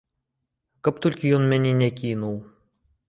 Каб толькі ён мяне не кінуў!